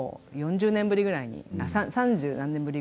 ４０年ぶりぐらいに。